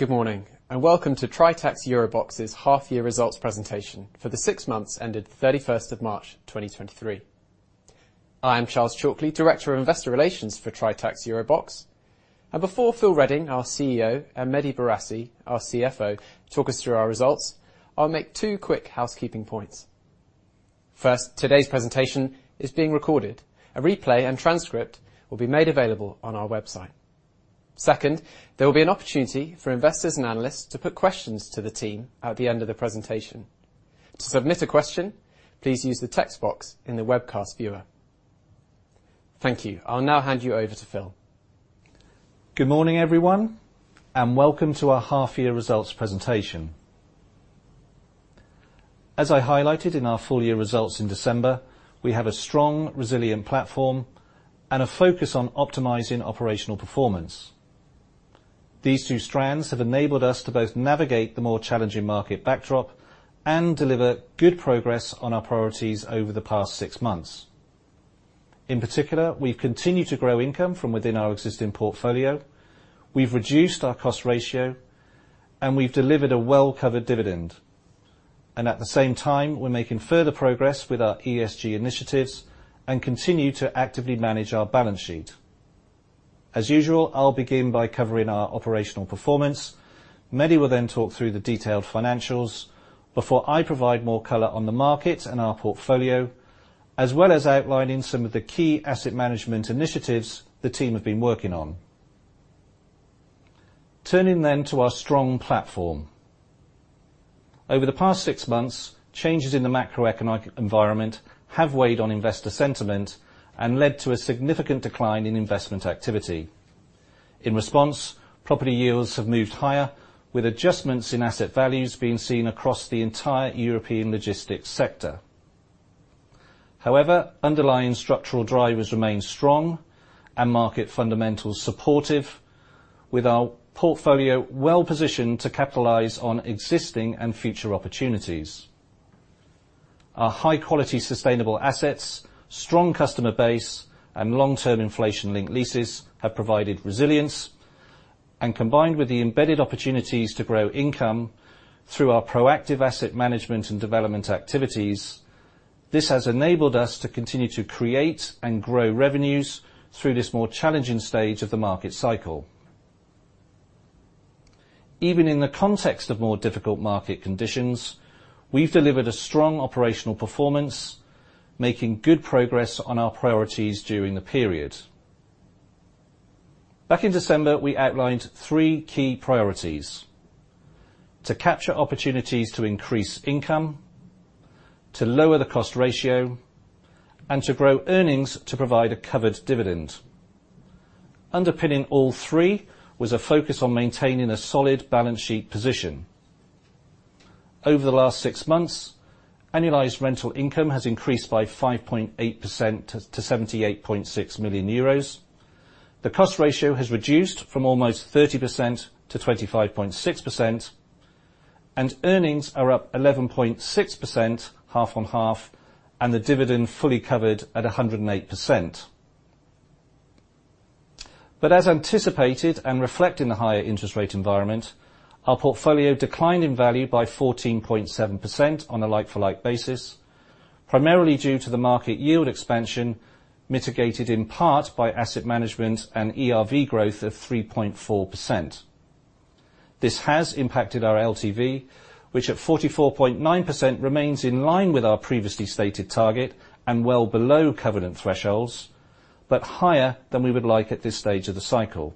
Good morning, and welcome to Tritax EuroBox's half-year results presentation for the six months ended 31st of March, 2023. I'm Charles Chalkly, Director of Investor Relations for Tritax EuroBox. Before Phil Redding, our CEO, and Mehdi Bourassi, our CFO, talk us through our results, I'll make two quick housekeeping points. `First, today's presentation is being recorded. A replay and transcript will be made available on our website. Second, there will be an opportunity for investors and analysts to put questions to the team at the end of the presentation. To submit a question, please use the text box in the webcast viewer. Thank you. I'll now hand you over to Phil. Good morning, everyone, and welcome to our half-year results presentation. As I highlighted in our full year results in December, we have a strong resilient platform, and a focus on optimizing operational performance. These two strands have enabled us to both navigate the more challenging market backdrop and deliver good progress on our priorities over the past six months. In particular, we've continued to grow income from within our existing portfolio, we've reduced our cost ratio, and we've delivered a well-covered dividend. At the same time, we're making further progress with our ESG initiatives, and continue to actively manage our balance sheet. As usual, I'll begin by covering our operational performance. Mehdi will then talk through the detailed financials before I provide more color on the market and our portfolio, as well as outlining some of the key asset management initiatives the team have been working on. Turning to our strong platform. Over the past six months, changes in the macroeconomic environment have weighed on investor sentiment and led to a significant decline in investment activity. In response, property yields have moved higher with adjustments in asset values being seen across the entire European logistics sector. However, underlying structural drivers remain strong, and market fundamentals supportive with our portfolio well-positioned to capitalize on existing and future opportunities. Our high-quality sustainable assets, strong customer base, and long-term inflation-linked leases have provided resilience. Combined with the embedded opportunities to grow income through our proactive asset management and development activities, this has enabled us to continue to create and grow revenues through this more challenging stage of the market cycle. Even in the context of more difficult market conditions, we've delivered a strong operational performance, making good progress on our priorities during the period. Back in December, we outlined three key priorities: to capture opportunities to increase income, to lower the cost ratio, and to grow earnings to provide a covered dividend. Underpinning all three was a focus on maintaining a solid balance sheet position. Over the last six months, annualized rental income has increased by 5.8% to 78.6 million euros. The cost ratio has reduced from almost 30% to 25.6%, and earnings are up 11.6% half-on-half, and the dividend fully covered at 108%. As anticipated and reflecting the higher interest rate environment, our portfolio declined in value by 14.7% on a like-for-like basis, primarily due to the market yield expansion mitigated in part by asset management and ERV growth of 3.4%. This has impacted our LTV, which at 44.9% remains in line with our previously stated target and well below covenant thresholds, but higher than we would like at this stage of the cycle.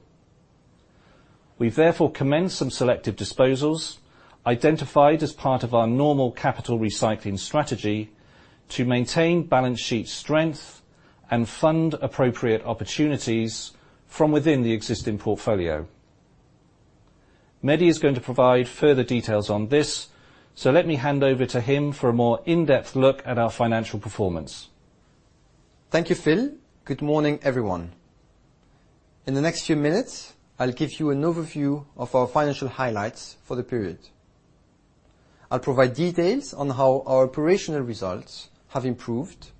We therefore commenced some selective disposals, identified as part of our normal capital recycling strategy to maintain balance sheet strength and fund appropriate opportunities from within the existing portfolio. Mehdi is going to provide further details on this, let me hand over to him for a more in-depth look at our financial performance. Thank you, Phil. Good morning, everyone. In the next few minutes, I'll give you an overview of our financial highlights for the period. I'll provide details on how our operational results have improved,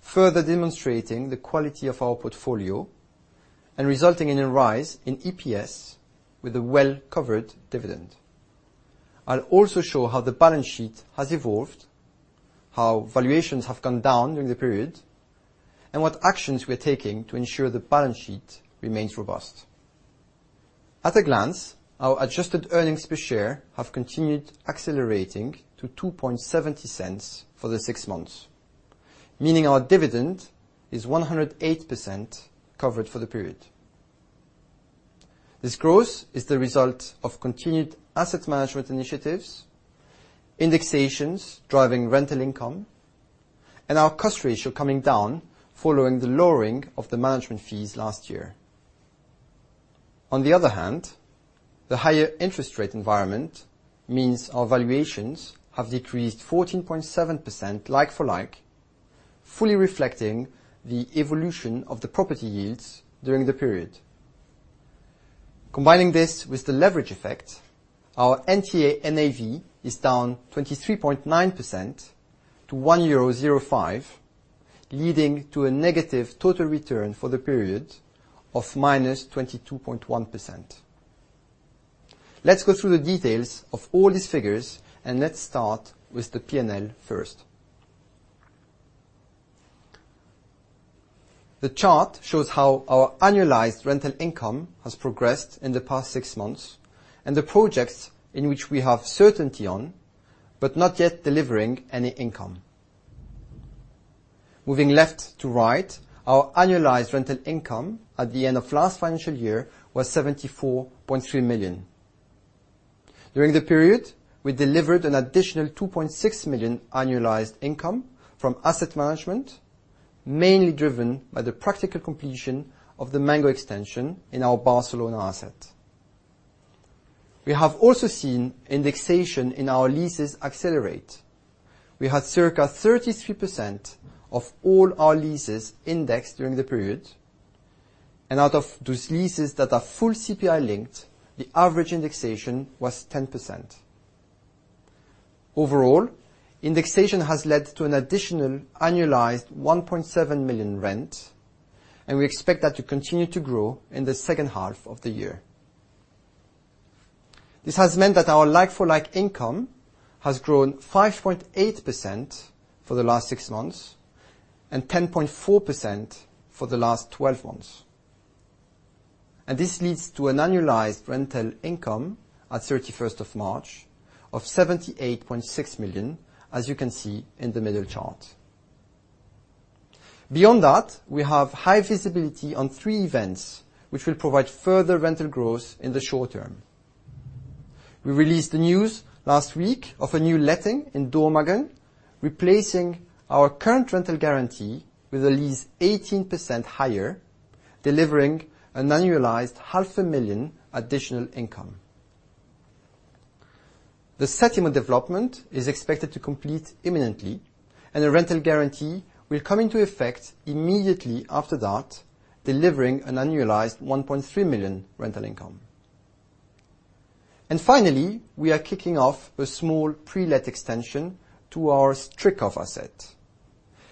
further demonstrating the quality of our portfolio and resulting in a rise in EPS with a well-covered dividend. I'll also show how the balance sheet has evolved, how valuations have gone down during the period, and what actions we're taking to ensure the balance sheet remains robust. At a glance, our adjusted earnings per share have continued accelerating to 0.0270 for the six months, meaning our dividend is 108% covered for the period. This growth is the result of continued asset management initiatives, indexations driving rental income, and our cost ratio coming down following the lowering of the management fees last year. On the other hand, the higher interest rate environment means our valuations have decreased 14.7% like-for-like, fully reflecting the evolution of the property yields during the period. Combining this with the leverage effect, our NTA/NAV is down 23.9% to 1.05 euro. Leading to a negative total return for the period of -22.1%. Let's go through the details of all these figures and let's start with the P&L first. The chart shows how our annualized rental income has progressed in the past six months. The projects in which we have certainty on but not yet delivering any income. Moving left to right, our annualized rental income at the end of last financial year was 74.3 million. During the period, we delivered an additional 2.6 million annualized income from asset management, mainly driven by the practical completion of the Mango extension in our Barcelona asset. We have also seen indexation in our leases accelerate. We had circa 33% of all our leases indexed during the period, and out of those leases that are full CPI linked, the average indexation was 10%. Overall, indexation has led to an additional annualized 1.7 million rent, and we expect that to continue to grow in the second half of the year. This has meant that our like-for-like income has grown 5.8% for the last six months and 10.4% for the last twelve months. This leads to an annualized rental income at 31st of March of 78.6 million, as you can see in the middle chart. Beyond that, we have high visibility on three events which will provide further rental growth in the short term. We released the news last week of a new letting in Dormagen, replacing our current rental guarantee with a lease 18% higher, delivering an annualized EUR half a million additional income. The speculative development is expected to complete imminently, and a rental guarantee will come into effect immediately after that, delivering an annualized 1.3 million rental income. Finally, we are kicking off a small pre-let extension to our Stryków asset,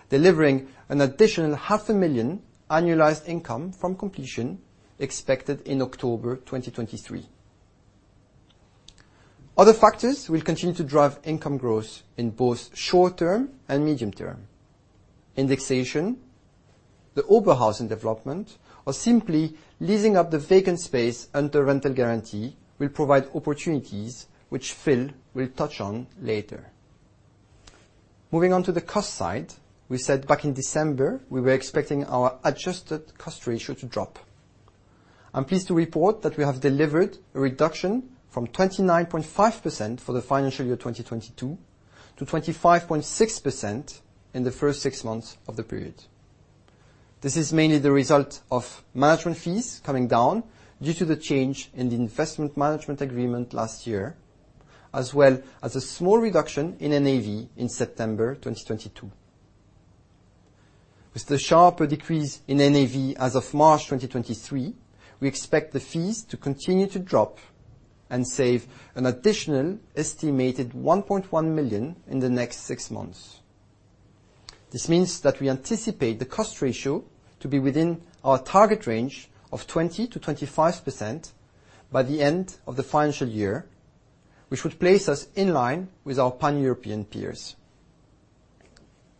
delivering an additional 500,000 annualized income from completion expected in October 2023. Other factors will continue to drive income growth in both short term and medium term. Indexation, the Oberhausen development, or simply leasing up the vacant space under rental guarantee will provide opportunities, which Phil will touch on later. Moving on to the cost side, we said back in December we were expecting our adjusted cost ratio to drop. I'm pleased to report that we have delivered a reduction from 29.5% for the financial year 2022 to 25.6% in the first six months of the period. This is mainly the result of management fees coming down due to the change in the investment management agreement last year, as well as a small reduction in NAV in September 2022. With the sharper decrease in NAV as of March 2023, we expect the fees to continue to drop and save an additional estimated 1.1 million in the next six months. This means that we anticipate the cost ratio to be within our target range of 20%-25% by the end of the financial year, which would place us in line with our pan-European peers.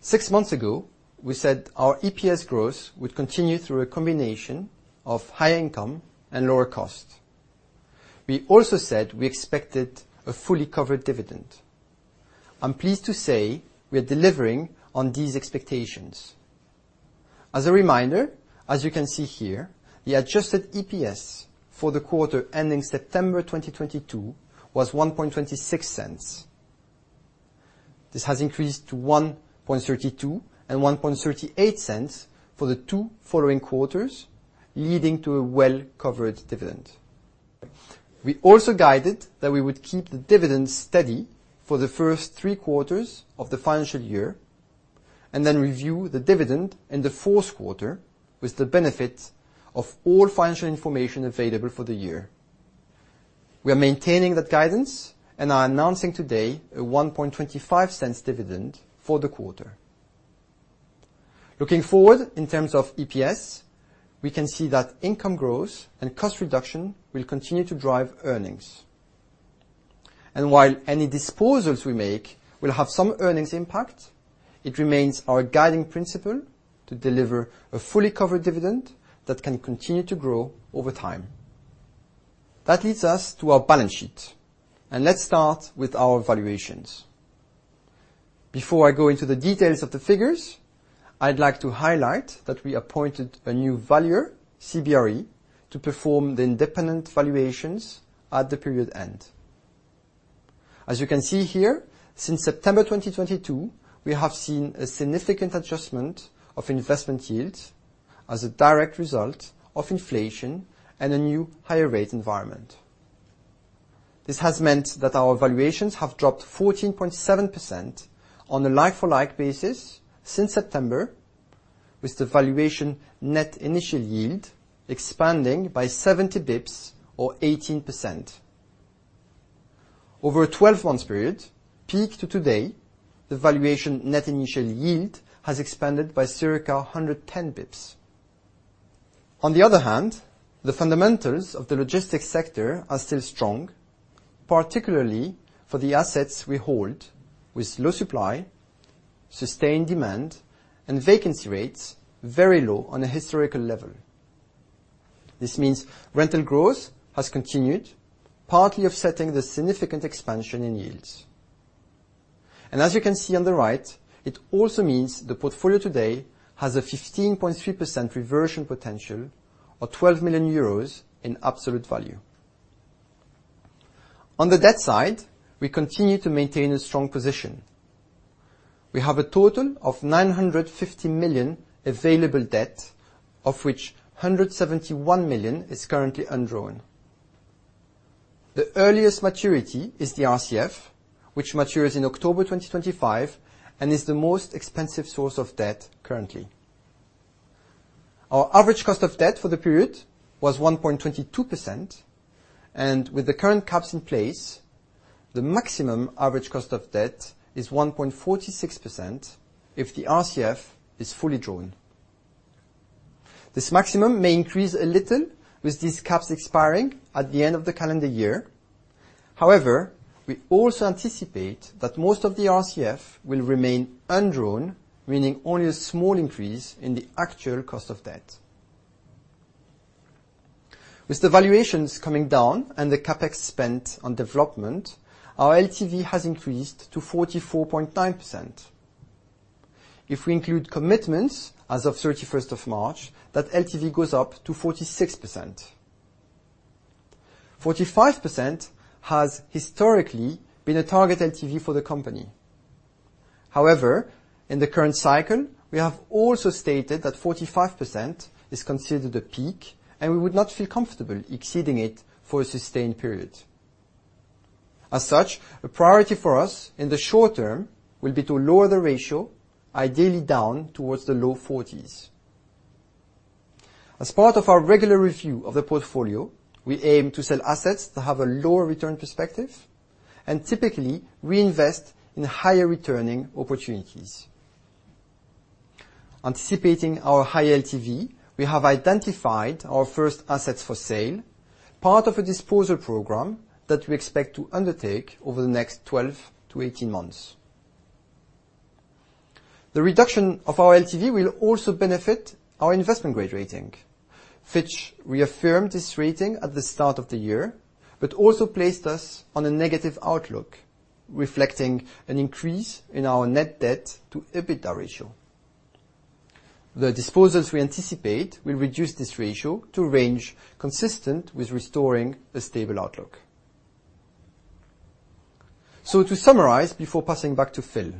Six months ago, we said our EPS growth would continue through a combination of high income and lower cost. We also said we expected a fully covered dividend. I'm pleased to say we are delivering on these expectations. As a reminder, as you can see here, the adjusted EPS for the quarter ending September 2022 was 0.0126. This has increased to 0.0132 and 0.0138 for the two following quarters, leading to a well-covered dividend. We also guided that we would keep the dividend steady for the first three quarters of the financial year and then review the dividend in the fourth quarter with the benefit of all financial information available for the year. We are maintaining that guidance and are announcing today a 0.0125 dividend for the quarter. Looking forward in terms of EPS, we can see that income growth and cost reduction will continue to drive earnings. While any disposals we make will have some earnings impact, it remains our guiding principle to deliver a fully covered dividend that can continue to grow over time. That leads us to our balance sheet, and let's start with our valuations. Before I go into the details of the figures, I'd like to highlight that we appointed a new valuer, CBRE, to perform the independent valuations at the period end. As you can see here, since September 2022, we have seen a significant adjustment of investment yields as a direct result of inflation and a new higher rate environment. This has meant that our valuations have dropped 14.7% on a like-for-like basis since September, with the valuation net initial yield expanding by 70 basis points or 18%. Over a 12-month period, peak to today, the valuation net initial yield has expanded by circa 110 basis points. On the other hand, the fundamentals of the logistics sector are still strong, particularly for the assets we hold with low supply, sustained demand, and vacancy rates very low on a historical level. This means rental growth has continued, partly offsetting the significant expansion in yields. As you can see on the right, it also means the portfolio today has a 15.3% reversion potential, or 12 million euros in absolute value. On the debt side, we continue to maintain a strong position. We have a total of 950 million available debt, of which 171 million is currently undrawn. The earliest maturity is the RCF, which matures in October 2025 and is the most expensive source of debt currently. Our average cost of debt for the period was 1.22%, and with the current caps in place, the maximum average cost of debt is 1.46% if the RCF is fully drawn. This maximum may increase a little with these caps expiring at the end of the calendar year. However, we also anticipate that most of the RCF will remain undrawn, meaning only a small increase in the actual cost of debt. With the valuations coming down and the CapEx spent on development, our LTV has increased to 44.9%. If we include commitments as of 31st of March, that LTV goes up to 46%. 45% has historically been a target LTV for the company. However, in the current cycle, we have also stated that 45% is considered a peak, and we would not feel comfortable exceeding it for a sustained period. As such, a priority for us in the short term will be to lower the ratio, ideally down towards the low 40s. As part of our regular review of the portfolio, we aim to sell assets that have a lower return perspective and typically reinvest in higher returning opportunities. Anticipating our high LTV, we have identified our first assets for sale, part of a disposal program that we expect to undertake over the next 12-18 months. The reduction of our LTV will also benefit our investment-grade rating. Fitch reaffirmed this rating at the start of the year, but also placed us on a negative outlook, reflecting an increase in our net debt to EBITDA ratio. The disposals we anticipate will reduce this ratio to a range consistent with restoring a stable outlook. To summarize, before passing back to Phil,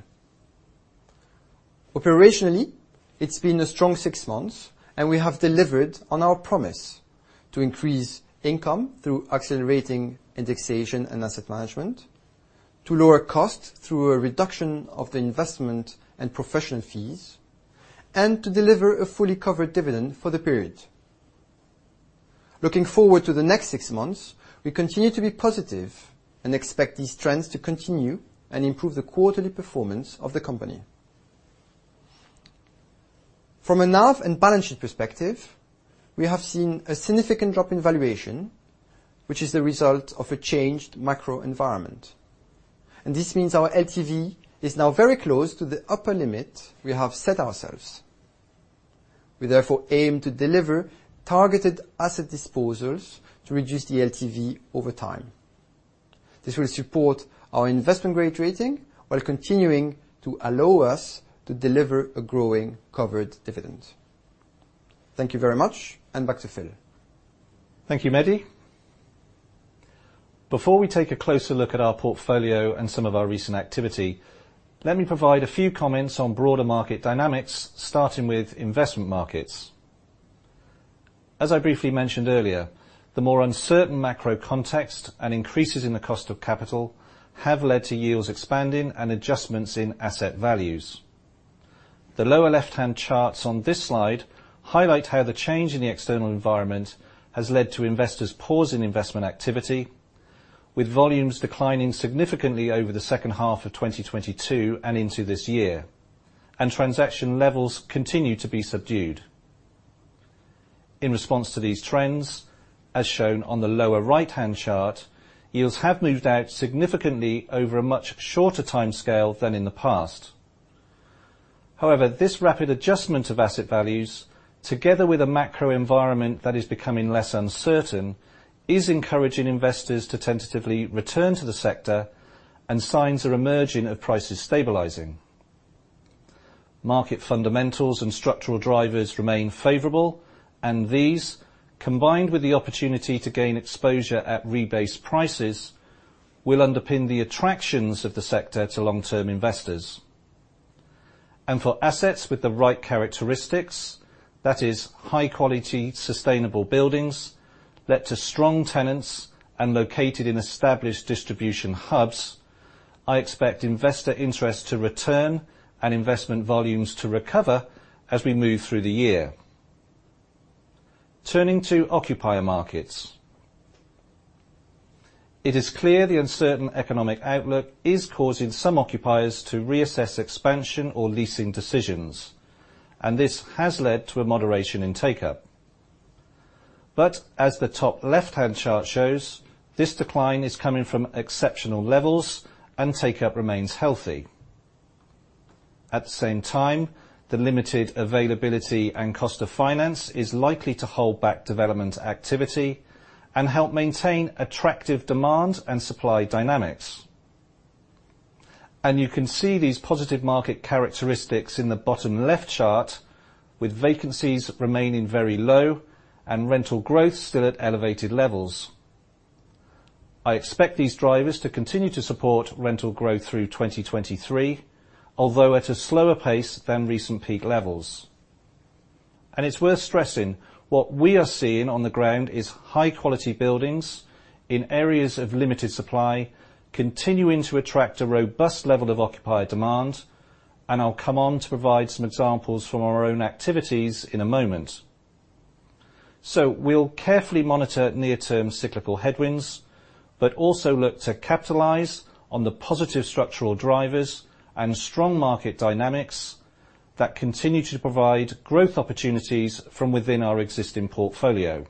operationally, it's been a strong six months, and we have delivered on our promise to increase income through accelerating indexation and asset management, to lower costs through a reduction of the investment and professional fees, and to deliver a fully covered dividend for the period. Looking forward to the next six months, we continue to be positive and expect these trends to continue and improve the quarterly performance of the company. From a NAV and balance sheet perspective, we have seen a significant drop in valuation, which is the result of a changed macro environment. This means our LTV is now very close to the upper limit we have set ourselves. We therefore aim to deliver targeted asset disposals to reduce the LTV over time. This will support our investment-grade rating while continuing to allow us to deliver a growing covered dividend. Thank you very much, and back to Phil. Thank you, Mehdi. Before we take a closer look at our portfolio and some of our recent activity, let me provide a few comments on broader market dynamics, starting with investment markets. As I briefly mentioned earlier, the more uncertain macro context and increases in the cost of capital have led to yields expanding and adjustments in asset values. The lower left-hand charts on this slide highlight how the change in the external environment has led to investors pausing investment activity, with volumes declining significantly over the second half of 2022 and into this year. Transaction levels continue to be subdued. In response to these trends, as shown on the lower right-hand chart, yields have moved out significantly over a much shorter timescale than in the past. This rapid adjustment of asset values, together with a macro environment that is becoming less uncertain, is encouraging investors to tentatively return to the sector, and signs are emerging of prices stabilizing. Market fundamentals and structural drivers remain favorable, these, combined with the opportunity to gain exposure at rebased prices, will underpin the attractions of the sector to long-term investors. For assets with the right characteristics, that is high quality, sustainable buildings, let to strong tenants, and located in established distribution hubs, I expect investor interest to return and investment volumes to recover as we move through the year. Turning to occupier markets. It is clear the uncertain economic outlook is causing some occupiers to reassess expansion or leasing decisions, and this has led to a moderation in take-up. As the top left-hand chart shows, this decline is coming from exceptional levels and take-up remains healthy. At the same time, the limited availability and cost of finance is likely to hold back development activity and help maintain attractive demand and supply dynamics. You can see these positive market characteristics in the bottom left chart, with vacancies remaining very low and rental growth still at elevated levels. I expect these drivers to continue to support rental growth through 2023, although at a slower pace than recent peak levels. It's worth stressing what we are seeing on the ground is high-quality buildings in areas of limited supply, continuing to attract a robust level of occupier demand, and I'll come on to provide some examples from our own activities in a moment. We'll carefully monitor near-term cyclical headwinds but also look to capitalize on the positive structural drivers and strong market dynamics that continue to provide growth opportunities from within our existing portfolio.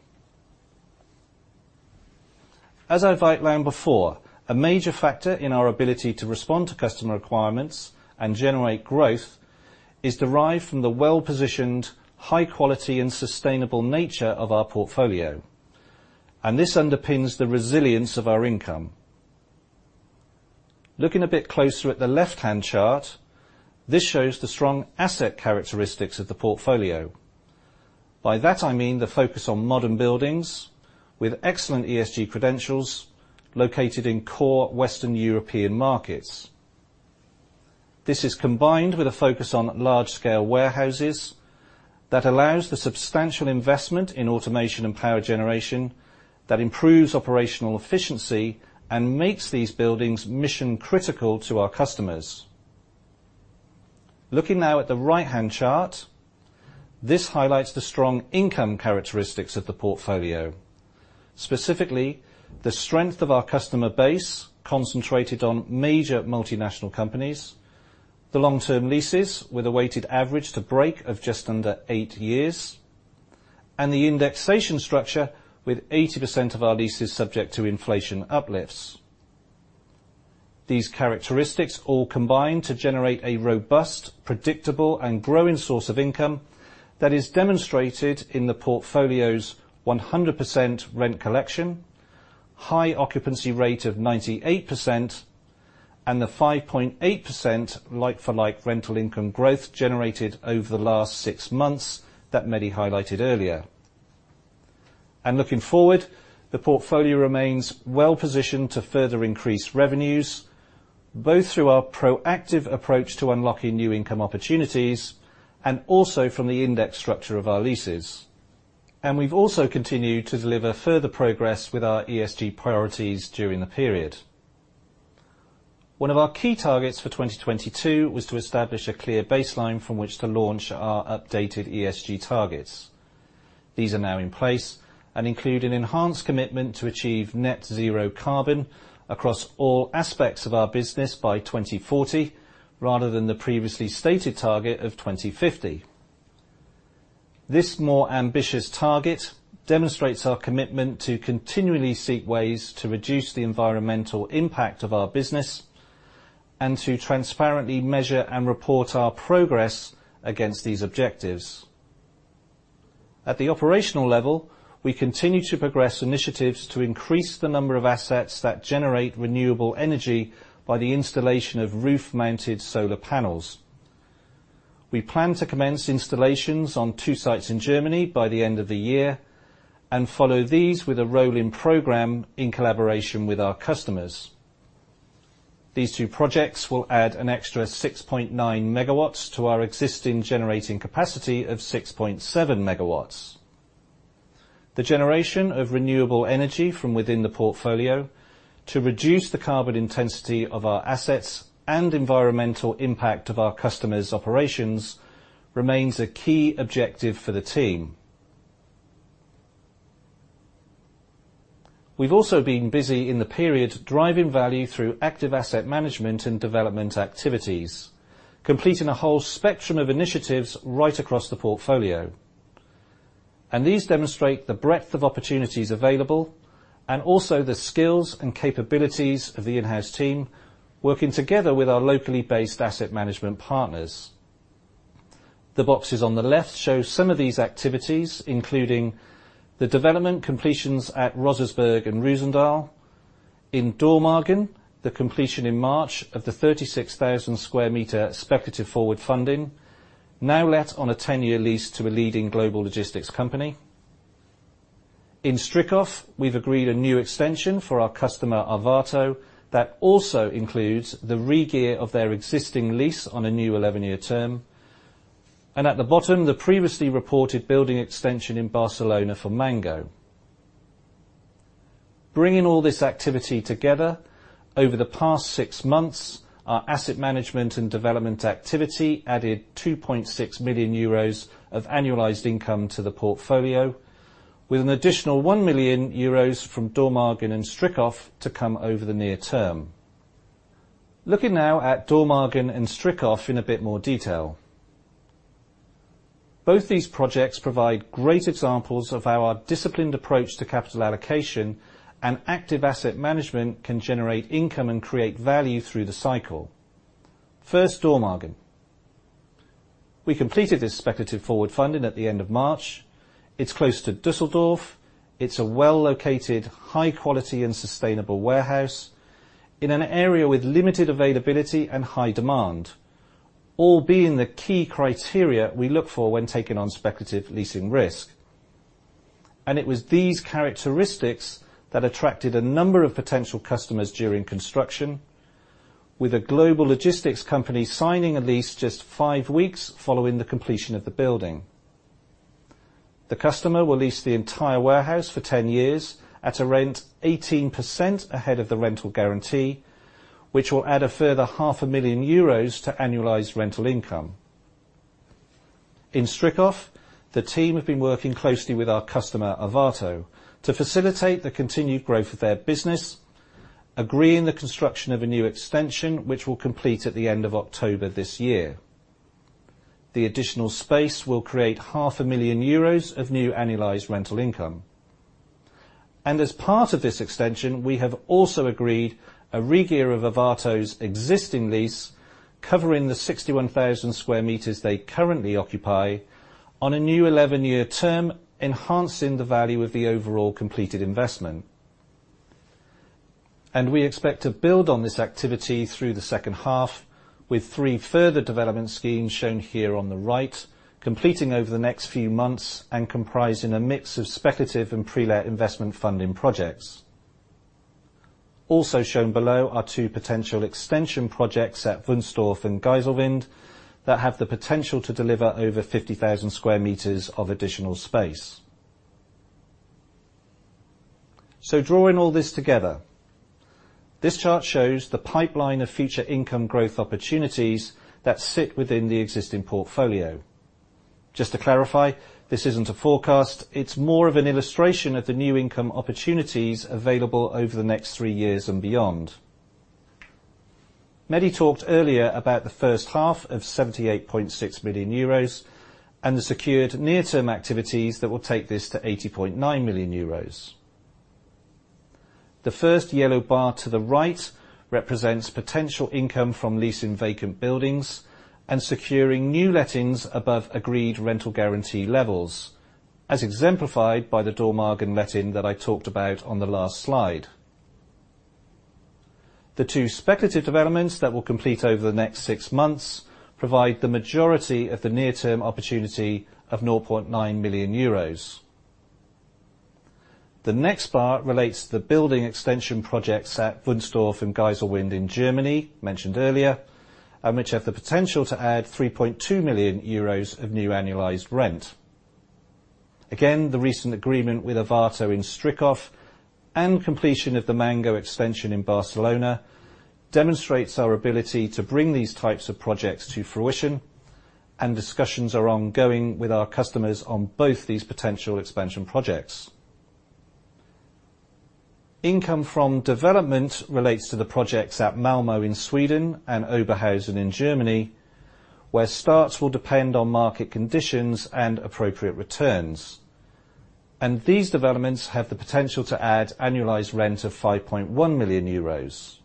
As I've outlined before, a major factor in our ability to respond to customer requirements and generate growth is derived from the well-positioned, high quality and sustainable nature of our portfolio. This underpins the resilience of our income. Looking a bit closer at the left-hand chart, this shows the strong asset characteristics of the portfolio. By that I mean the focus on modern buildings with excellent ESG credentials located in core Western European markets. This is combined with a focus on large-scale warehouses that allows the substantial investment in automation and power generation that improves operational efficiency and makes these buildings mission-critical to our customers. Looking now at the right-hand chart, this highlights the strong income characteristics of the portfolio, specifically the strength of our customer base concentrated on major multinational companies, the long-term leases with a weighted average to break of just under eight years, and the indexation structure with 80% of our leases subject to inflation uplifts. These characteristics all combine to generate a robust, predictable, and growing source of income that is demonstrated in the portfolio's 100% rent collection, high occupancy rate of 98%, and the 5.8% like-for-like rental income growth generated over the last six months that Mehdi highlighted earlier. Looking forward, the portfolio remains well-positioned to further increase revenues, both through our proactive approach to unlocking new income opportunities and also from the index structure of our leases. We've also continued to deliver further progress with our ESG priorities during the period. One of our key targets for 2022 was to establish a clear baseline from which to launch our updated ESG targets. These are now in place and include an enhanced commitment to achieve net zero carbon across all aspects of our business by 2040, rather than the previously stated target of 2050. This more ambitious target demonstrates our commitment to continually seek ways to reduce the environmental impact of our business and to transparently measure and report our progress against these objectives. At the operational level, we continue to progress initiatives to increase the number of assets that generate renewable energy by the installation of roof-mounted solar panels. We plan to commence installations on two sites in Germany by the end of the year and follow these with a rolling program in collaboration with our customers. These two projects will add an extra 6.9 MW to our existing generating capacity of 6.7 MW. The generation of renewable energy from within the portfolio to reduce the carbon intensity of our assets and environmental impact of our customers' operations remains a key objective for the team. We've also been busy in the period driving value through active asset management and development activities, completing a whole spectrum of initiatives right across the portfolio. These demonstrate the breadth of opportunities available and also the skills and capabilities of the in-house team working together with our locally based asset management partners. The boxes on the left show some of these activities, including the development completions at Rosersberg and Roosendaal. In Dormagen, the completion in March of the 36,000 sq m speculative forward funding, now let on a 10-year lease to a leading global logistics company. In Stryków, we've agreed a new extension for our customer, Arvato, that also includes the regear of their existing lease on a new 11-year term. At the bottom, the previously reported building extension in Barcelona for Mango. Bringing all this activity together, over the past six months, our asset management and development activity added 2.6 million euros of annualized income to the portfolio, with an additional 1 million euros from Dormagen and Stryków to come over the near term. Looking now at Dormagen and Stryków in a bit more detail. Both these projects provide great examples of how our disciplined approach to capital allocation and active asset management can generate income and create value through the cycle. First, Dormagen. We completed this speculative forward funding at the end of March. It's close to Düsseldorf. It's a well located, high quality and sustainable warehouse in an area with limited availability and high demand, all being the key criteria we look for when taking on speculative leasing risk. It was these characteristics that attracted a number of potential customers during construction, with a global logistics company signing a lease just five weeks following the completion of the building. The customer will lease the entire warehouse for 10 years at a rent 18% ahead of the rental guarantee, which will add a further 500,000 euros to annualized rental income. In Stryków, the team have been working closely with our customer, Arvato, to facilitate the continued growth of their business, agreeing the construction of a new extension, which will complete at the end of October this year. The additional space will create 500,000 euros of new annualized rental income. As part of this extension, we have also agreed a regear of Arvato's existing lease covering the 61,000 sq m they currently occupy on a new 11-year term, enhancing the value of the overall completed investment. We expect to build on this activity through the second half with three further development schemes shown here on the right, completing over the next few months and comprising a mix of speculative and pre-let investment funding projects. Also shown below are two potential extension projects at Wunstorf and Geiselwind that have the potential to deliver over 50,000 sq m of additional space. Drawing all this together, this chart shows the pipeline of future income growth opportunities that sit within the existing portfolio. Just to clarify, this isn't a forecast, it's more of an illustration of the new income opportunities available over the next three years and beyond. Mehdi talked earlier about the first half of 78.6 million euros and the secured near-term activities that will take this to 80.9 million euros. The first yellow bar to the right represents potential income from leasing vacant buildings and securing new lettings above agreed rental guarantee levels, as exemplified by the Dormagen letting that I talked about on the last slide. The two speculative developments that will complete over the next six months provide the majority of the near-term opportunity of 0.9 million euros. The next bar relates to the building extension projects at Wunstorf and Geiselwind in Germany, mentioned earlier, and which have the potential to add 3.2 million euros of new annualized rent. The recent agreement with Arvato in Stryków and completion of the Mango extension in Barcelona demonstrates our ability to bring these types of projects to fruition, and discussions are ongoing with our customers on both these potential expansion projects. Income from development relates to the projects at Malmö in Sweden and Oberhausen in Germany, where starts will depend on market conditions and appropriate returns. These developments have the potential to add annualized rent of 5.1 million euros.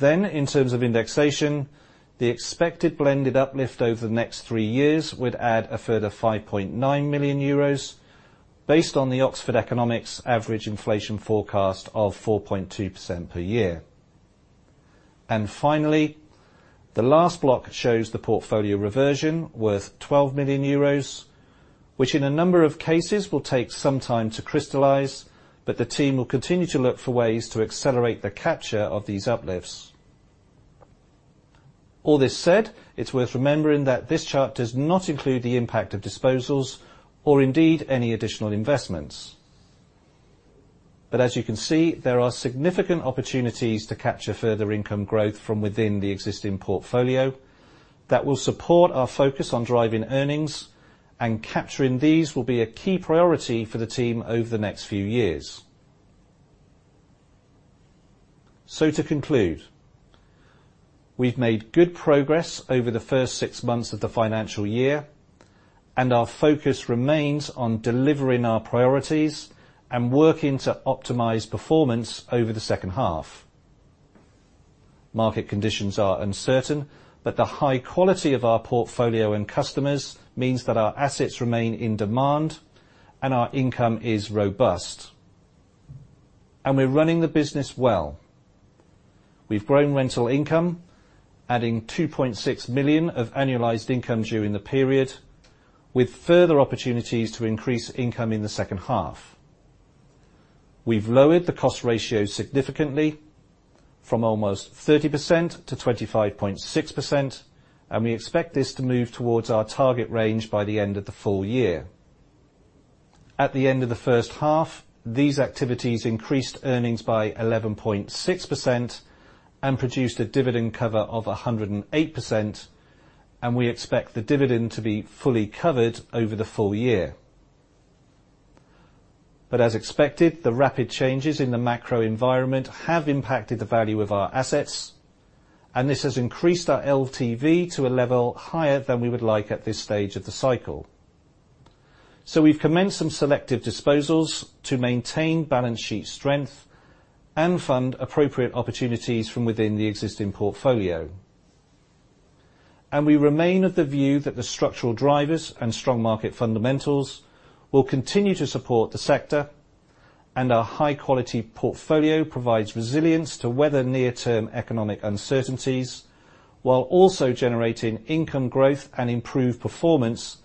In terms of indexation, the expected blended uplift over the next three years would add a further 5.9 million euros based on the Oxford Economics average inflation forecast of 4.2% per year. Finally, the last block shows the portfolio reversion worth 12 million euros, which in a number of cases will take some time to crystallize, but the team will continue to look for ways to accelerate the capture of these uplifts. All this said, it's worth remembering that this chart does not include the impact of disposals or indeed any additional investments. As you can see, there are significant opportunities to capture further income growth from within the existing portfolio that will support our focus on driving earnings, and capturing these will be a key priority for the team over the next few years. To conclude, we've made good progress over the first six months of the financial year, and our focus remains on delivering our priorities and working to optimize performance over the second half. Market conditions are uncertain, but the high quality of our portfolio and customers means that our assets remain in demand and our income is robust. We're running the business well. We've grown rental income, adding 2.6 million of annualized income during the period, with further opportunities to increase income in the second half. We've lowered the cost ratio significantly. From almost 30% to 25.6%, and we expect this to move towards our target range by the end of the full year. At the end of the first half, these activities increased earnings by 11.6% and produced a dividend cover of 108%, and we expect the dividend to be fully covered over the full year. As expected, the rapid changes in the macro environment have impacted the value of our assets, and this has increased our LTV to a level higher than we would like at this stage of the cycle. We've commenced some selective disposals to maintain balance sheet strength and fund appropriate opportunities from within the existing portfolio. We remain of the view that the structural drivers and strong market fundamentals will continue to support the sector. Our high-quality portfolio provides resilience to weather near-term economic uncertainties, while also generating income growth and improved performance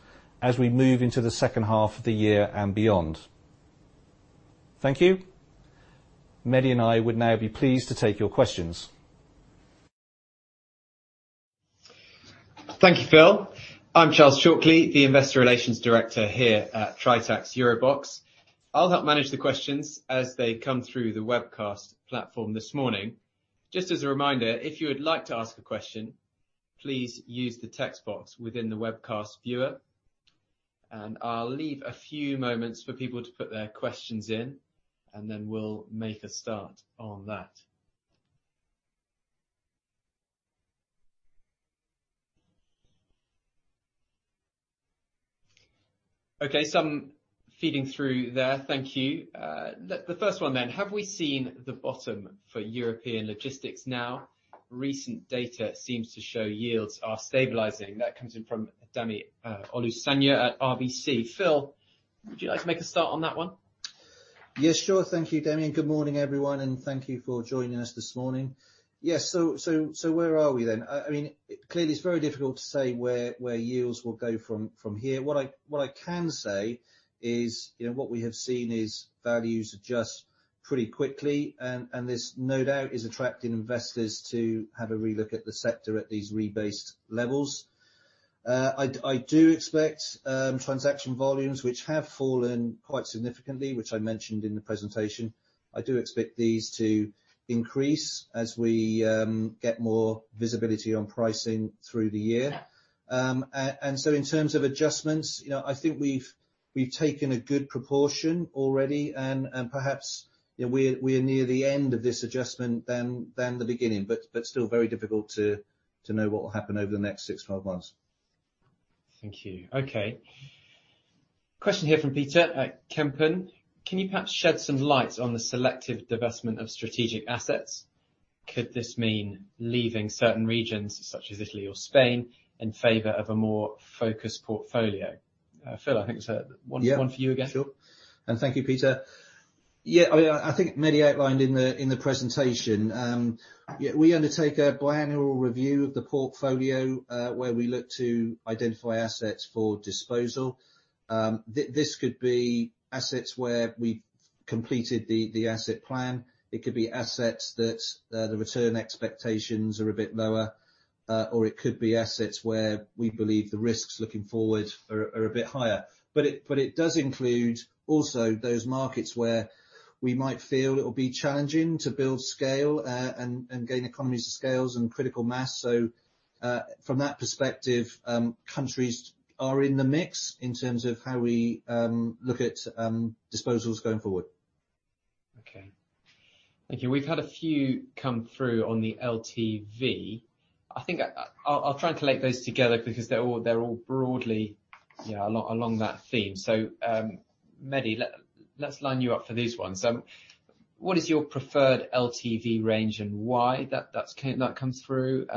as we move into the second half of the year and beyond. Thank you. Mehdi and I would now be pleased to take your questions. Thank you, Phil. I'm Charles Chalkly, the Investor Relations Director here at Tritax EuroBox. I'll help manage the questions as they come through the webcast platform this morning. Just as a reminder, if you would like to ask a question, please use the text box within the webcast viewer, I'll leave a few moments for people to put their questions in, we'll make a start on that. Okay. Some feeding through there. Thank you. the first one then. Have we seen the bottom for European logistics now? Recent data seems to show yields are stabilizing. That comes in from Dami Olusanya at RBC. Phil, would you like to make a start on that one? Sure. Thank you, Dami, and good morning, everyone, and thank you for joining us this morning. Where are we then? Clearly, it's very difficult to say where yields will go from here. What I can say is, you know, what we have seen is values adjust pretty quickly, and this no doubt is attracting investors to have a relook at the sector at these rebased levels. I do expect transaction volumes, which have fallen quite significantly, which I mentioned in the presentation, I do expect these to increase as we get more visibility on pricing through the year. In terms of adjustments, you know, I think we've taken a good proportion already and perhaps, you know, we're near the end of this adjustment than the beginning, but still very difficult to know what will happen over the next six to 12 months. Thank you. Okay. Question here from Peter Kempen. Can you perhaps shed some light on the selective divestment of strategic assets? Could this mean leaving certain regions such as Italy or Spain in favor of a more focused portfolio? Phil, I think that one- Yeah. One for you again. Sure. Thank you, Peter. I think Mehdi outlined in the presentation. We undertake a biannual review of the portfolio where we look to identify assets for disposal. This could be assets where we've completed the asset plan. It could be assets that the return expectations are a bit lower, or it could be assets where we believe the risks looking forward are a bit higher. It does include also those markets where we might feel it'll be challenging to build scale and gain economies of scales and critical mass. From that perspective, countries are in the mix in terms of how we look at disposals going forward. Okay. Thank you. We've had a few come through on the LTV. I think I'll try and collate those together because they're all broadly, you know, along that theme. Mehdi, let's line you up for these ones. What is your preferred LTV range and why? That comes through.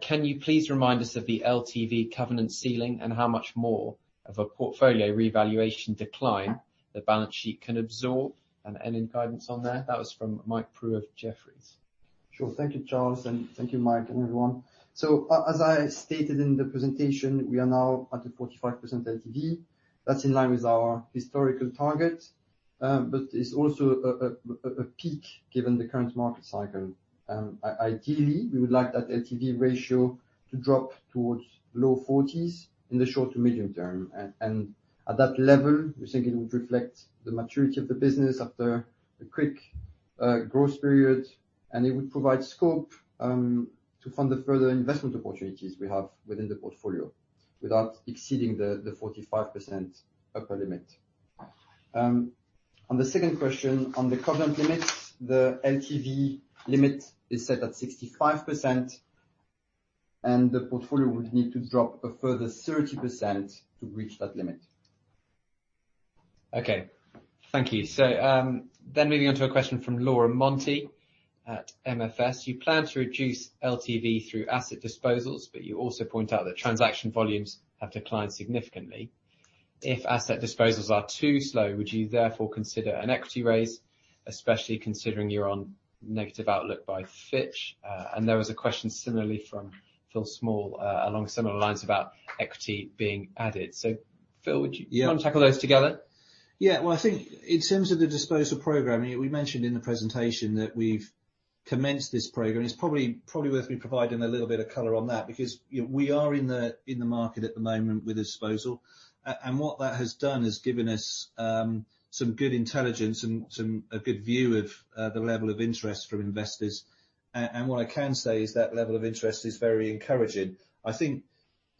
Can you please remind us of the LTV covenant ceiling and how much more of a portfolio revaluation decline the balance sheet can absorb, and any guidance on there? That was from Mike Prew of Jefferies. Sure. Thank you, Charles, and thank you, Mike, and everyone. As I stated in the presentation, we are now at a 45% LTV. That's in line with our historical target, but it's also a peak given the current market cycle. Ideally, we would like that LTV ratio to drop towards low 40s in the short to medium term. At that level, we think it would reflect the maturity of the business after a quick growth period, and it would provide scope to fund the further investment opportunities we have within the portfolio without exceeding the 45% upper limit. On the second question, on the covenant limits, the LTV limit is set at 65%. The portfolio would need to drop a further 30% to reach that limit. Okay. Thank you. Then moving on to a question from Laura Monty at MFS. You plan to reduce LTV through asset disposals, but you also point out that transaction volumes have declined significantly. If asset disposals are too slow, would you therefore consider an equity raise, especially considering you're on negative outlook by Fitch? And there was a question similarly from Phil Small, along similar lines about equity being added. Phil, would you- Yeah. Do you wanna tackle those together? Yeah. Well, I think in terms of the disposal program, we mentioned in the presentation that we've commenced this program. It's probably worth me providing a little bit of color on that because, you know, we are in the market at the moment with the disposal. What that has done is given us good intelligence and a good view of the level of interest from investors. What I can say is that level of interest is very encouraging. I think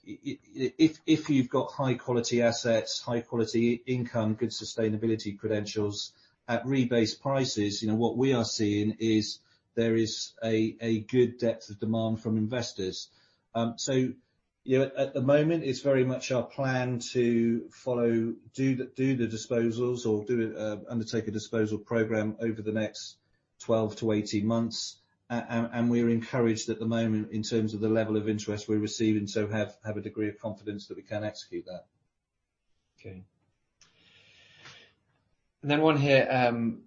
if you've got high-quality assets, high-quality income, good sustainability credentials at rebased prices, you know, what we are seeing is there is a good depth of demand from investors. You know, at the moment, it's very much our plan to follow, do the disposals or undertake a disposal program over the next 12-18 months. We're encouraged at the moment in terms of the level of interest we're receiving, so have a degree of confidence that we can execute that. Okay. One here,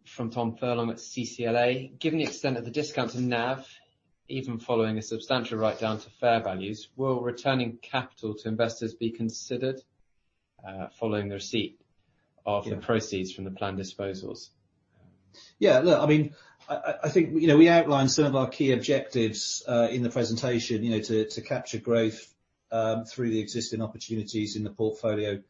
from Tom Furlong at CCLA: Given the extent of the discount to NAV, even following a substantial write down to fair values, will returning capital to investors be considered, following the receipt of- Yeah ...the proceeds from the planned disposals? Yeah. Look, I mean, I think, you know, we outlined some of our key objectives in the presentation, you know, to capture growth through the existing opportunities in the portfolio.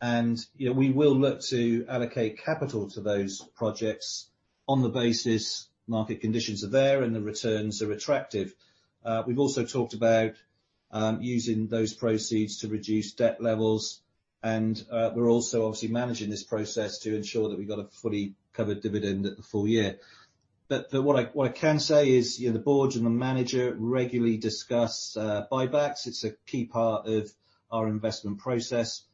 You know, we will look to allocate capital to those projects on the basis market conditions are there and the returns are attractive. We've also talked about using those proceeds to reduce debt levels. We're also obviously managing this process to ensure that we've got a fully covered dividend at the full year. What I can say is, you know, the board and the manager regularly discuss buybacks. It's a key part of our investment process.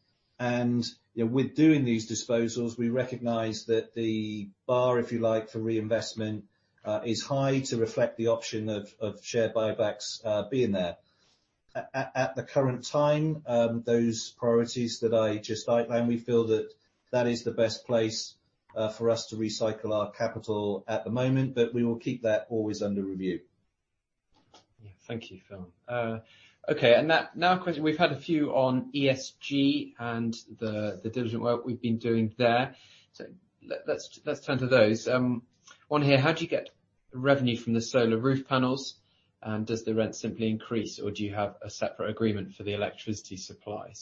You know, with doing these disposals, we recognize that the bar, if you like, for reinvestment is high to reflect the option of share buybacks being there. At the current time, those priorities that I just outlined, we feel that that is the best place for us to recycle our capital at the moment. We will keep that always under review. Yeah. Thank you, Phil. Okay. Now, a question. We've had a few on ESG and the diligent work we've been doing there. Let's turn to those. One here, how do you get revenue from the solar roof panels? Does the rent simply increase, or do you have a separate agreement for the electricity supply?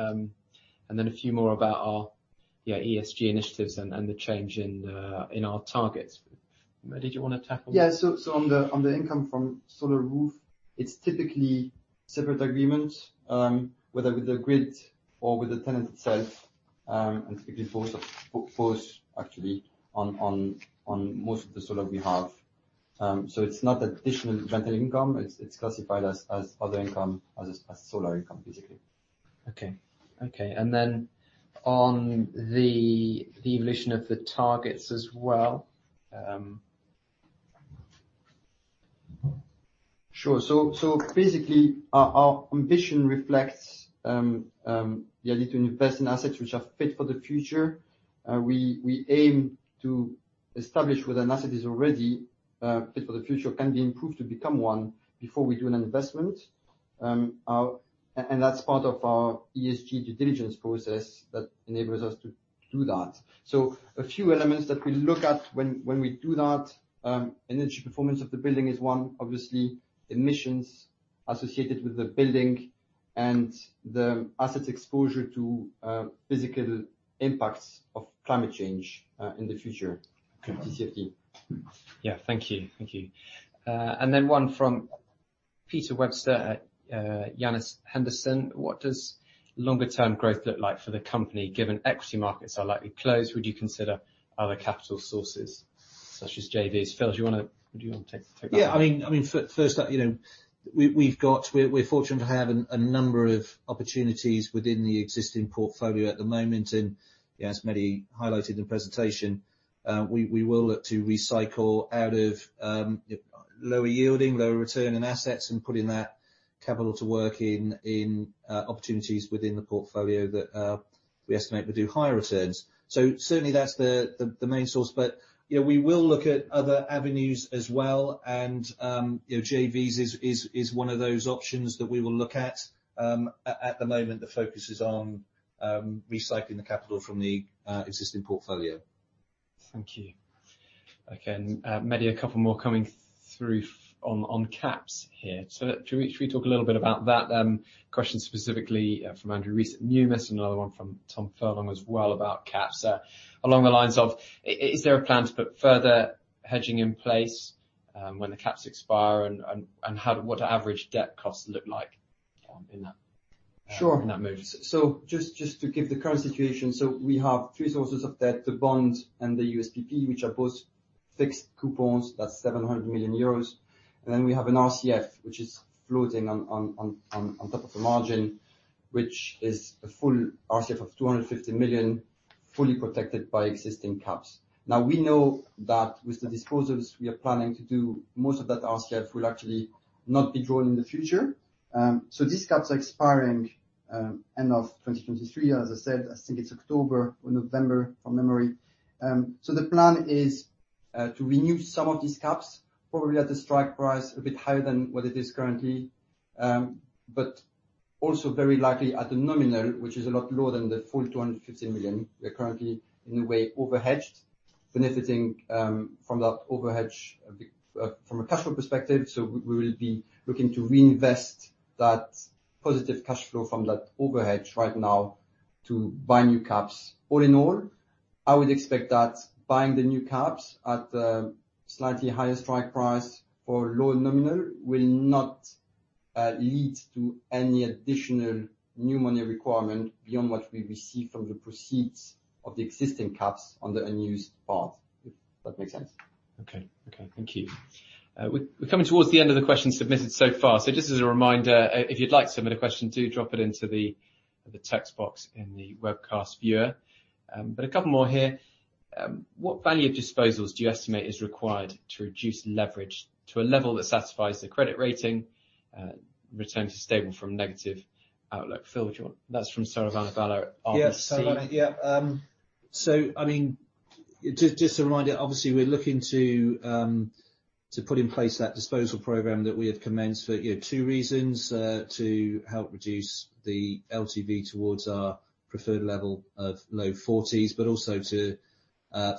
Then a few more about our, yeah, ESG initiatives and the change in our targets. Mehdi, do you wanna tackle- Yeah. On the income from solar roof, it's typically separate agreements, whether with the grid or with the tenant itself, and typically both actually on most of the solar we have. It's not additional rental income. It's classified as other income, as solar income, basically. Okay. Okay. Then on the evolution of the targets as well. Sure. Basically, our ambition reflects the ability to invest in assets which are fit for the future. We aim to establish whether an asset is already fit for the future, can be improved to become one before we do an investment. That's part of our ESG due diligence process that enables us to do that. A few elements that we look at when we do that, energy performance of the building is one, obviously emissions associated with the building and the assets exposure to physical impacts of climate change in the future complete setting. Okay. Yeah. Thank you. Thank you. One from Pete Webster at Janus Henderson: What does longer term growth look like for the company? Given equity markets are likely closed, would you consider other capital sources such as JVs? Phil, do you want to take that one? Yeah. I mean, first up, you know, we're fortunate to have a number of opportunities within the existing portfolio at the moment. As Mehdi highlighted in the presentation, we will look to recycle out of lower yielding, lower return in assets and putting that capital to work in opportunities within the portfolio that we estimate will do higher returns. Certainly, that's the main source. You know, we will look at other avenues as well and, you know, JVs is one of those options that we will look at. At the moment, the focus is on recycling the capital from the existing portfolio. Thank you. Okay. Mehdi, a couple more coming through on caps here. Shall we talk a little bit about that? Question specifically from Andrew Rees at Numis and another one from Tom Furlong as well about caps. Along the lines of, is there a plan to put further hedging in place when the caps expire? How what average debt costs look like in that- Sure. ...in that move? Just to give the current situation. We have three sources of debt, the bonds and the USPP, which are both fixed coupons. That's 700 million euros. Then we have an RCF, which is floating on top of the margin, which is a full RCF of 250 million, fully protected by existing caps. We know that with the disposals we are planning to do, most of that RCF will actually not be drawn in the future. These caps are expiring end of 2023. As I said, I think it's October or November, from memory. The plan is to renew some of these caps, probably at the strike price a bit higher than what it is currently. Also, very likely at the nominal, which is a lot lower than the full 250 million. We are currently in a way over hedged, benefiting from that over hedge from a cash flow perspective, we will be looking to reinvest that positive cash flow from that over hedge right now to buy new caps. All in all, I would expect that buying the new caps at a slightly higher strike price for lower nominal will not lead to any additional new money requirement beyond what we receive from the proceeds of the existing caps on the unused part, if that makes sense. Okay. Okay. Thank you. We're coming towards the end of the questions submitted so far, so just as a reminder, if you'd like to submit a question, do drop it into the text box in the webcast viewer. A couple more here. What value of disposals do you estimate is required to reduce leverage to a level that satisfies the credit rating, return to stable from negative outlook? Phil, do you want... That's from Saravana Bala at RBC. Yes, Saravana. I mean, just to remind you, obviously we're looking to put in place that disposal program that we have commenced for, you know, two reasons. To help reduce the LTV towards our preferred level of low 40s, but also to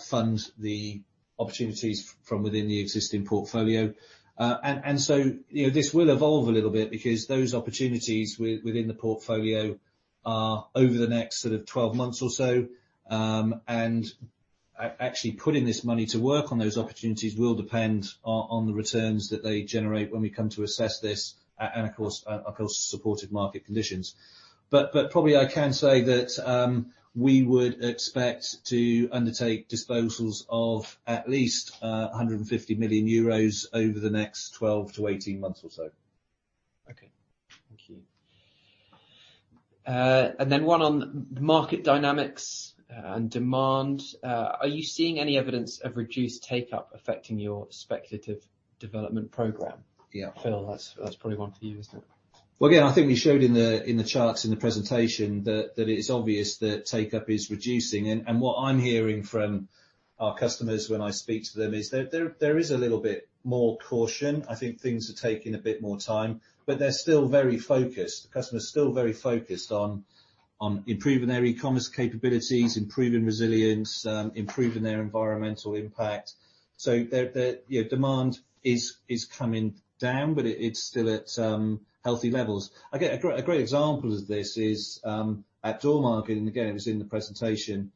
fund the opportunities from within the existing portfolio. You know, this will evolve a little bit because those opportunities within the portfolio are over the next sort of 12 months or so, actually putting this money to work on those opportunities will depend on the returns that they generate when we come to assess this and of course, supported market conditions. Probably I can say that we would expect to undertake disposals of at least 150 million euros over the next 12 to 18 months or so. Okay. Thank you. Then one on market dynamics and demand. Are you seeing any evidence of reduced take-up affecting your speculative development program? Yeah. Phil, that's probably one for you, isn't it? Well, again, I think we showed in the charts in the presentation that it is obvious that take-up is reducing. What I'm hearing from our customers when I speak to them is there is a little bit more caution. I think things are taking a bit more time, but they're still very focused. The customer is still very focused on improving their e-commerce capabilities, improving resilience, improving their environmental impact. The, you know, demand is coming down, but it's still at healthy levels. A great example of this is at Dormagen, and again, it was in the presentation,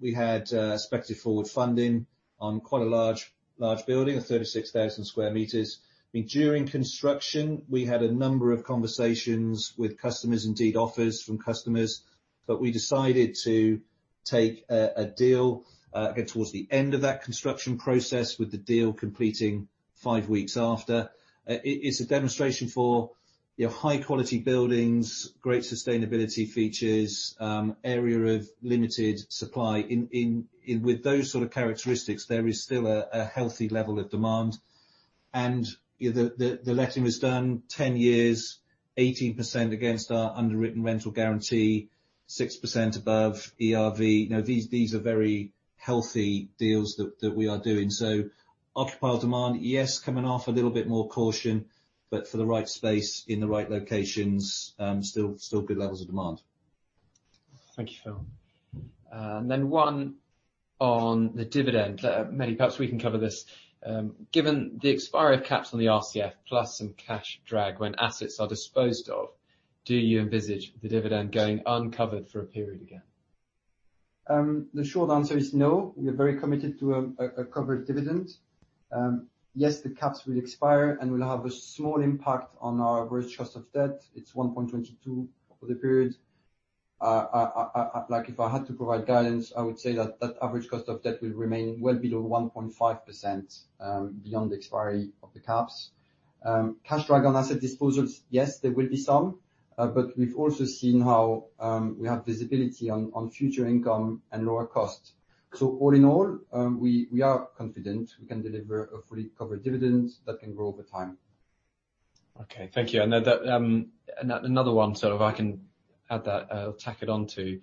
we had expected forward funding on quite a large building of 36,000 square meters. I mean, during construction, we had a number of conversations with customers, indeed offers from customers but we decided to take a deal towards the end of that construction process with the deal completing five weeks after. It is a demonstration for, you know, high quality buildings, great sustainability features, area of limited supply. With those sorts of characteristics, there is still a healthy level of demand, and the letting was done 10 years, 18% against our underwritten rental guarantee, 6% above ERV. You know, these are very healthy deals that we are doing. Occupier demand, yes, coming off a little bit more caution, but for the right space in the right locations, still good levels of demand. Thank you, Phil. One on the dividend. Mehdi, perhaps we can cover this. Given the expiry of caps on the RCF plus some cash drag when assets are disposed of, do you envisage the dividend going uncovered for a period again? The short answer is no. We are very committed to a covered dividend. Yes, the caps will expire and will have a small impact on our average cost of debt. It's 1.22% for the period. Like if I had to provide guidance, I would say that that average cost of debt will remain well below 1.5% beyond the expiry of the caps. Cash drag on asset disposals, yes, there will be some, but we've also seen how we have visibility on future income and lower costs. All-in-all, we are confident we can deliver a fully covered dividend that can grow over time. Okay. Thank you. Then that, another one, sort of I can add that, tack it on to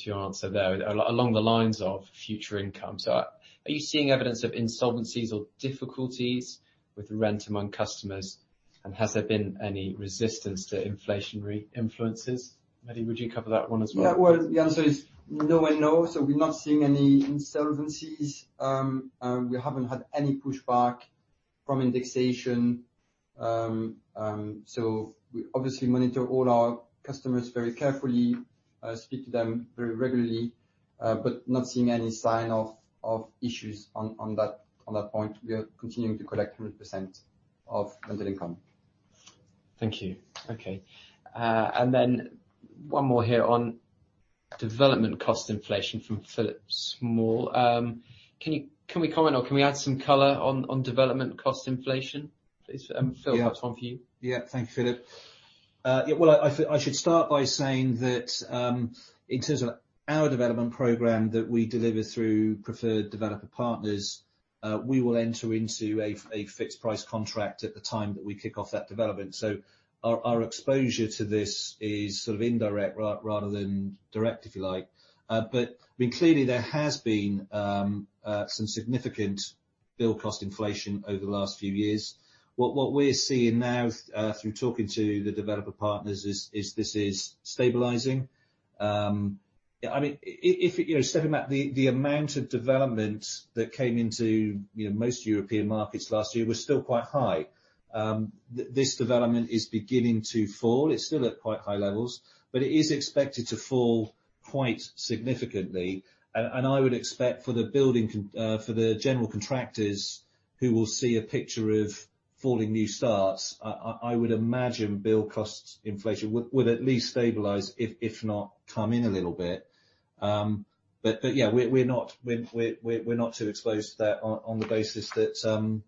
your answer there. Along the lines of future income. Are you seeing evidence of insolvencies or difficulties with rent among customers? Has there been any resistance to inflationary influences? Mehdi, would you cover that one as well? Yeah. Well, the answer is no and no. We're not seeing any insolvencies. We haven't had any pushback from indexation. We obviously monitor all our customers very carefully, speak to them very regularly, but not seeing any sign of issues on that point. We are continuing to collect 100% of rental income. Thank you. Okay. One more here on development cost inflation from Philip Small. Can we comment or can we add some color on development cost inflation, please? Phil,- Yeah.... That's one for you. Yeah. Thank you, Philip. Well, I should start by saying that, in terms of our development program that we deliver through preferred developer partners, we will enter into a fixed price contract at the time that we kick off that development. Our exposure to this is sort of indirect rather than direct, if you like. I mean, clearly there has been some significant build cost inflation over the last few years. What we're seeing now through talking to the developer partners is this is stabilizing. I mean, if, you know, stepping back, the amount of development that came into, you know, most European markets last year was still quite high. This development is beginning to fall. It's still at quite high levels, but it is expected to fall quite significantly. I would expect for the general contractors who will see a picture of falling new starts, I would imagine build costs inflation would at least stabilize, if not come in a little bit. Yeah, we're not too exposed to that on the basis that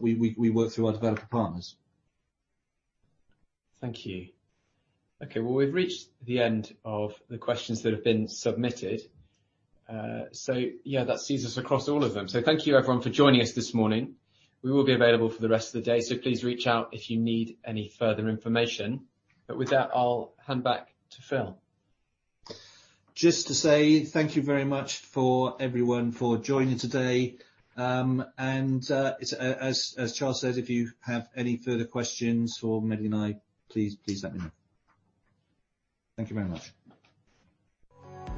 we work through our developer partners. Thank you. Okay. Well, we've reached the end of the questions that have been submitted. Yeah, that sees us across all of them. Thank you everyone for joining us this morning. We will be available for the rest of the day, so please reach out if you need any further information. With that, I'll hand back to Phil. Just to say thank you very much for everyone for joining today. As Charles said, if you have any further questions for Mehdi and I, please let me know. Thank you very much.